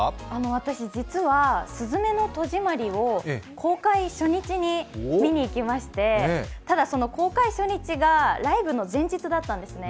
私、実は「すずめの戸締まり」を公開初日に見に行きまして、ただその公開初日がライブの前日だったんですね。